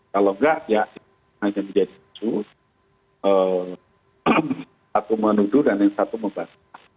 kalau enggak ya hanya menjadi isu satu menuduh dan yang satu membaca